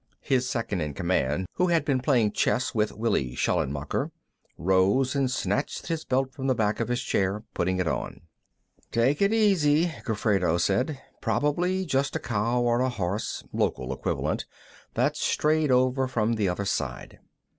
His second in command, who had been playing chess with Willi Schallenmacher, rose and snatched his belt from the back of his chair, putting it on. "Take it easy," Gofredo said. "Probably just a cow or a horse local equivalent that's strayed over from the other side."